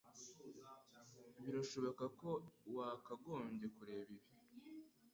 Birashoboka ko wakagombye kureba ibi.